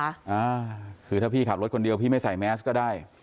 อ่าคือถ้าพี่ขับรถคนเดียวพี่ไม่ใส่แมสก็ได้